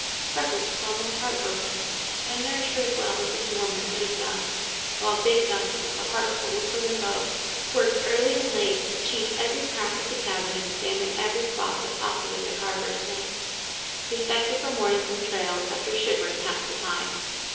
Freckles was almost heartbroken, and nursed her as well as any woman could have done; while big Duncan, with a heart full for them both, worked early and late to chink every crack of the cabin and examine every spot that possibly could harbor a snake. The effects of her morning on the trail kept her shivering half the time.